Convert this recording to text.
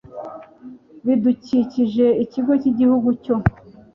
bidukikije ikigo cy igihugu cyo